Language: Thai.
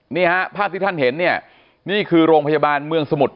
นี่ฮะภาพที่ท่านเห็นเนี่ยนี่คือโรงพยาบาลเมืองสมุทร